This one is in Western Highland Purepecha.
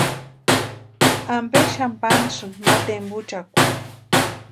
¿Ampe xani panhasïki ma tempuchakwarhu?